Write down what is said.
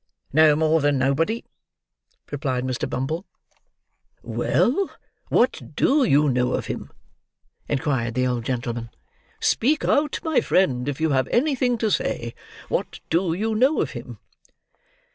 "No more than nobody," replied Mr. Bumble. "Well, what do you know of him?" inquired the old gentleman. "Speak out, my friend, if you have anything to say. What do you know of him?"